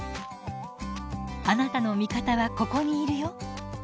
「あなたの味方はここにいるよ」。